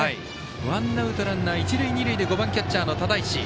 ワンアウト、ランナー一塁二塁で５番、キャッチャーの只石。